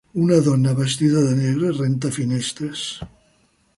Una dona vestida de negre renta finestres.